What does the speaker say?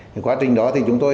thì quá trình đó thì chúng tôi